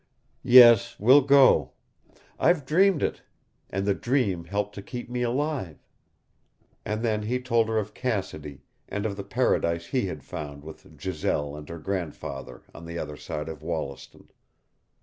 "Yes, we'll go. I've dreamed it, and the dream helped to keep me alive " And then he told her of Cassidy, and of the paradise he had found with Giselle and her grandfather on the other side of Wollaston.